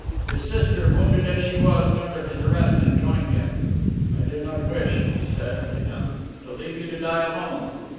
His sister, wounded as she was, learned of his arrest and joined him. 'I do not wish,' she said to him, 'to leave you to die alone.